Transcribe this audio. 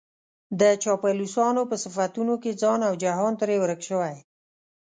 د چاپلوسانو په صفتونو کې ځان او جهان ترې ورک شوی.